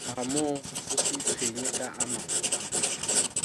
Ho tloha moo o se itshwenye ka a mang.